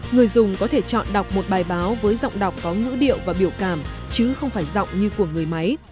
người dùng có thể chọn đọc một bài báo với giọng đọc có ngữ điệu và biểu cảm chứ không phải giọng như của người máy